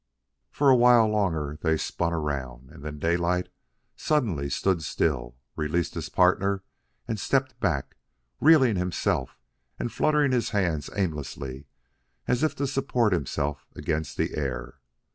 For a while longer they spun around, and then Daylight suddenly stood still, released his partner, and stepped back, reeling himself, and fluttering his hands aimlessly, as if to support himself against the air.